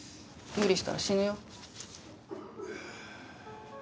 無理したら死ぬよ。